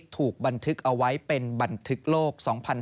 ถูกบันทึกเอาไว้เป็นบันทึกโลก๒๕๕๙